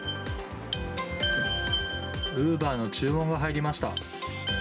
ウーバーの注文が入りました。